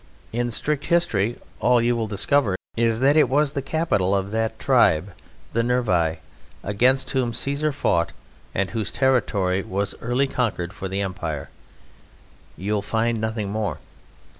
In strict history all you will discover is that it was the capital of that tribe, the Nervii, against whom Caesar fought, and whose territory was early conquered for the Empire. You will find nothing more.